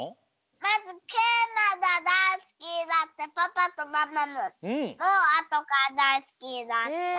まずけいまがだいすきになってパパとママもあとからだいすきになった。